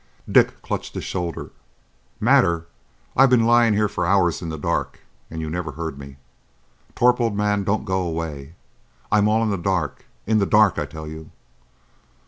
Dick clutched at his shoulder. "Matter! I've been lying here for hours in the dark, and you never heard me. Torp, old man, don't go away. I'm all in the dark. In the dark, I tell you!"